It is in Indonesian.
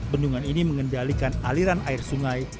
bendungan ini mengendalikan aliran air sungai